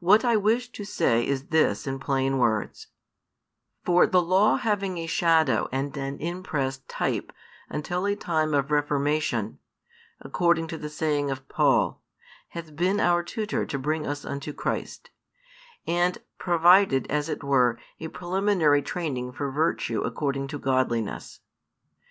What I wish to say is this in plain words: For the law having a shadow and an impressed type until a time of reformation, according to the saying of Paul, hath been our tutor to bring us unto Christ, and provided, as it were, a preliminary training for virtue according to godliness.